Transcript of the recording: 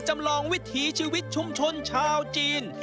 จำลองวิถีชีวิตชุมชนชาวจีน